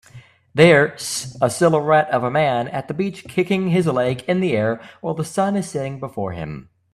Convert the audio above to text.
There s a silhouette of a man at the beach kicking his leg in the air while the sun is setting before him